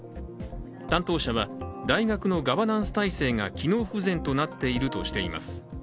担当者は、大学のガバナンス体制が機能不全となっているとしています。